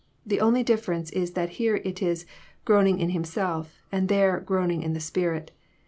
The only difference is that here it is <* groaning in Himself," and there ''groaning in the spirit.